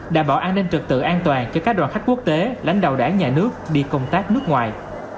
đảm bảo an ninh trực tự an toàn cho các đoàn khách quốc tế lãnh đạo đảng nhà nước đi công tác nước ngoài